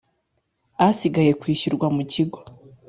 asigaye kwishyurwa mu kigo